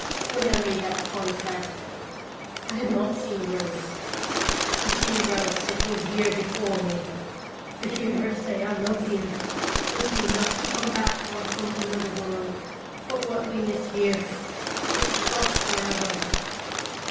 When 1 made that contract I had not seen Rose. To see Rose sitting here before me, to hear her say, " I love you !" would be enough to come back for from another world. But what we miss here must be gone forever.